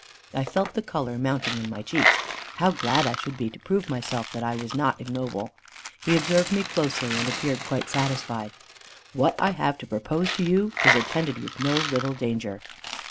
I felt the colour mounting in my cheeks. How glad I should be to prove to myself that I was not ignoble. He observed me closely, and appeared quite satisfied. "What I have to propose to you, is attended with no little danger."